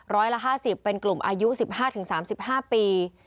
ร้อยละ๕๐เป็นกลุ่มอายุ๑๕๓๕ปี